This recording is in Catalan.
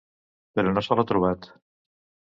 Però no se l’ha trobat.